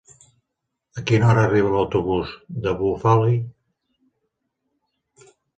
A quina hora arriba l'autobús de Bufali?